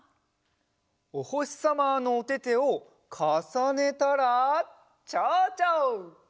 おほしさまのおててをかさねたらちょうちょ！